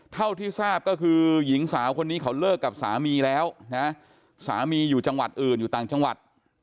เท่าที่ทราบก็คือหญิงสาวคนนี้เขาเลิกกับสามีแล้วนะสามีอยู่จังหวัดอื่นอยู่ต่างจังหวัด